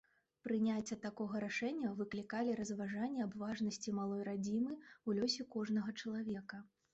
Прыняцце такога рашэння выклікалі разважанні аб важнасці малой радзімы ў лёсе кожнага чалавека.